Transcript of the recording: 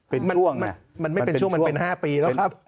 เป็นช่วงมันไม่เป็นช่วงมันเป็น๕ปีแล้วครับ